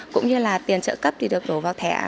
cũng như là tiền trợ cấp thì được đổ vào thẻ